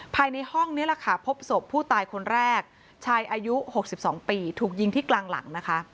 ภายในห้องนี้แหละค่ะพบศพผู้ตายคนแรกชายอายุ๖๒ปีถูกยิงที่กลางหลังนะคะ